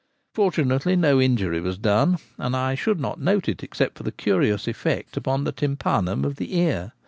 Fortunately no injury was done ; and I should not note it except for the curious effect upon the tympanum of the ear.